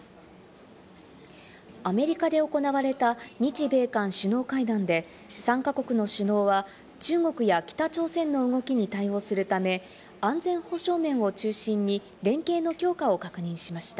アメリカで行われた日米韓首脳会談で３カ国の首脳は中国や北朝鮮の動きに対応するため、安全保障面を中心に連携の強化を確認しました。